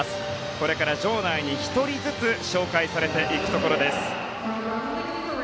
これから場内に１人ずつ紹介されていくところです。